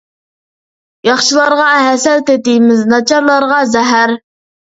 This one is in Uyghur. ياخشىلارغا ھەسەل تېتىيمىز، ناچارلارغا زەھەر!